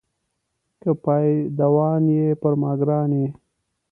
که پایدوان یې پر ما ګران یې.